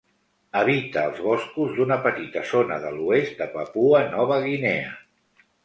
Habita els boscos d'una petita zona de l'oest de Papua-Nova Guinea.